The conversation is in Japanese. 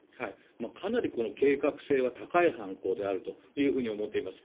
かなり計画性は高い犯行であるというふうに思っています。